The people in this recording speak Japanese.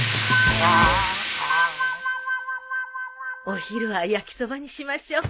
お昼は焼きそばにしましょう。